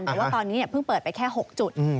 บอกว่าตอนนี้เพิ่งเปิดไปแค่๖จุด